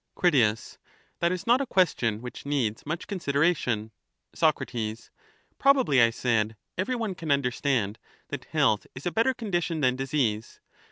Crit. That is not a question which needs much consideration. Soc. Probably, I said, every one can understand that Health is a health is a better condition than disease.